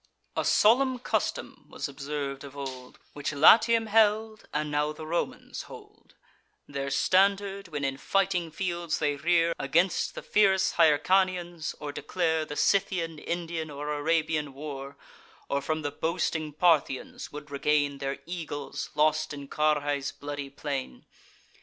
A solemn custom was observ'd of old, Which Latium held, and now the Romans hold, Their standard when in fighting fields they rear Against the fierce Hyrcanians, or declare The Scythian, Indian, or Arabian war; Or from the boasting Parthians would regain Their eagles, lost in Carrhae's bloody plain.